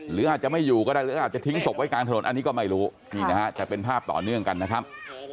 หรืออาจจะไม่อยู่ก็ได้หรืออาจจะทิ้งศพไว้กลางถนนอันนี้ก็ไม่รู้นี่นะฮะจะเป็นภาพต่อเนื่องกันนะครับ